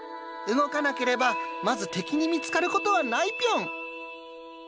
動かなければまず敵に見つかることはないピョン。